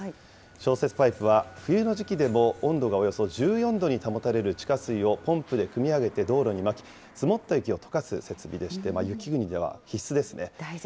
消雪パイプは、冬の時期でも温度がおよそ１４度に保たれる地下水をポンプでくみ上げて道路にまき、積もった雪をとかす設備でして、大事なんですね。